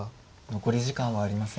残り時間はありません。